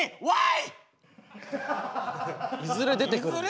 いずれ出てくる。